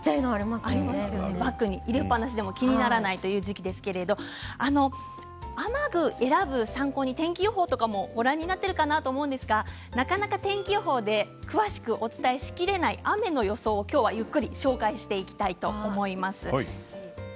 バッグに入れっぱなしでも、気にならないという時期ですが雨具を選ぶ参考に天気予報もご覧になっているかなと思いますがなかなか天気予報で詳しくお伝えしきれない雨について今日はゆっくりご紹介したいと思います。